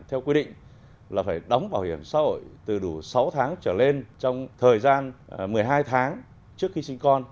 theo quy định là phải đóng bảo hiểm xã hội từ đủ sáu tháng trở lên trong thời gian một mươi hai tháng trước khi sinh con